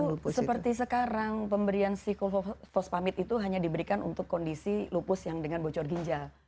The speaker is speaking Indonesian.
seperti dulu seperti sekarang pemberian siklophosphamid itu hanya diberikan untuk kondisi lupus yang dengan bocor ginjal